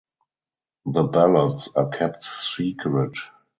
The ballots are kept secret.